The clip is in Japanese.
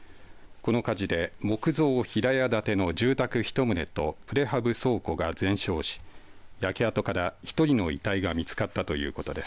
この火事で木造平屋建ての住宅１棟とプレハブ倉庫が全焼し焼け跡から１人の遺体が見つかったということです。